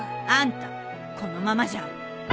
あんたこのままじゃ。